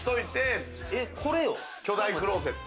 巨大クロゼット。